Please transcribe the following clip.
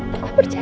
mama percaya pak